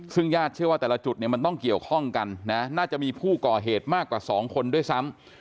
ซึ่งญาติเชื่อว่าแต่ละจุดเนี่ยมันต้องเกี่ยวข้องกันนะน่าจะมีผู้ก่อเหตุมากกว่า๒คนด้วยซ้ำ